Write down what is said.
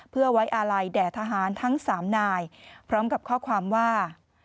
เพื่อไว้อาลัยแด่ทหารทั้ง๓นายพร้อมกับข้อความว่า